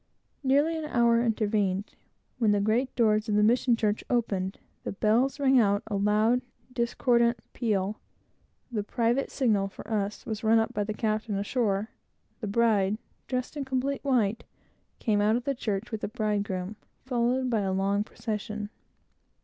Nearly an hour intervened, when the great doors of the mission church opened, the bells rang out a loud, discordant peal, the private signal for us was run up by the captain ashore, the bride, dressed in complete white, came out of the church with the bridegroom, followed by a long procession.